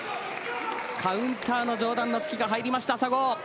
カウンターの上段の突きが入りました、佐合。